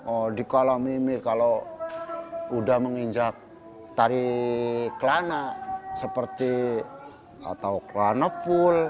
oh dikala mimi kalau udah menginjak tari kelana seperti atau kelana full